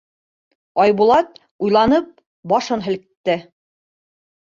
Айбулат, уйланып, башын һелкте: